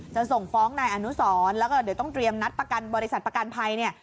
จะส่งฟ้องในอนุศรแล้วก็เดี๋ยวต้องเตรียมณัฐบริษัทประกันภัยนี่